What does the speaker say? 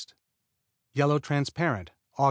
Yellow Transparent Aug.